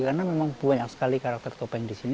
karena memang banyak sekali karakter topeng di sini